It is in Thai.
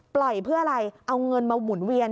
ปล่อยเพื่ออะไรเอาเงินมาหมุนเวียน